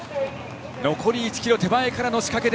残り１ｋｍ手前からの仕掛けで。